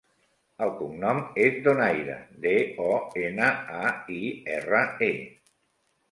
El cognom és Donaire: de, o, ena, a, i, erra, e.